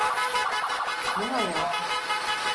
Ne hayatı?